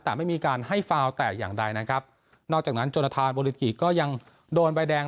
แต่ไม่มีการให้ฟาวแต่อย่างใดนะครับนอกจากนั้นจนทานโบลิกิก็ยังโดนใบแดง